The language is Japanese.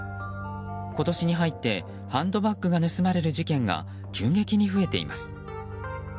今年に入ってハンドバッグが盗まれる事件が急激に増えています。